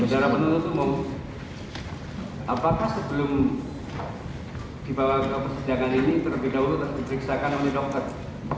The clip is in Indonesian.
saudara penuntut umum apakah sebelum dibawa ke persidangan ini terlebih dahulu diperiksakan oleh dokter